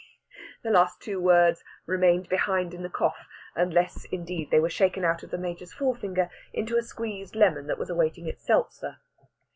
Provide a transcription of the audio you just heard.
The last two words remained behind in the cough, unless, indeed, they were shaken out off the Major's forefinger into a squeezed lemon that was awaiting its Seltzer.